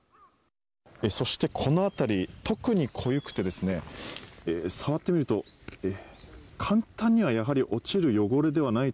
そしてこの辺り、特に濃ゆくて触ってみると簡単には落ちる汚れではない